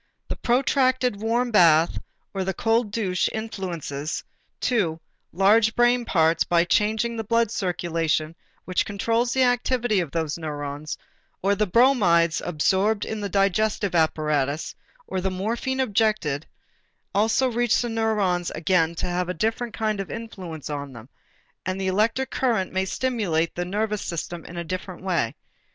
The protracted warm bath or the cold douche influences, too, large brain parts by changing the blood circulation which controls the activity of those neurons; or the bromides absorbed in the digestive apparatus, or the morphine injected, also reach the neurons and again have a different kind of influence on them, and the electric current may stimulate the nervous system in still a different way.